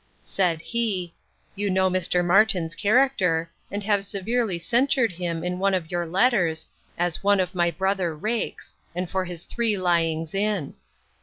Said he, You know Mr. Martin's character, and have severely censured him in one of your letters, as one of my brother rakes, and for his three lyings in.